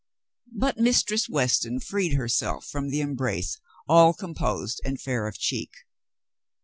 But Mistress Weston freed herself from the embrace all composed and fair of cheek.